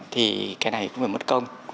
thì cái này cũng phải mất công